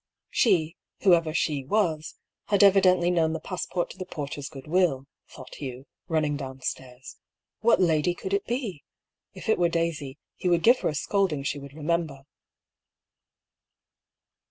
She, whoever she was, had evidently known the passport to the porter's goodwill, thought Hugh, run 90 I>R. PAULL'S THEORY. ning downstairs. What lady could it be ? If it were Daisy, he would give her a scolding she would remem ber.